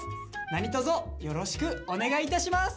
何とぞよろしくお願いいたします。